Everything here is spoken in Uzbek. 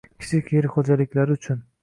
kichik yer xo‘jaliklari uchun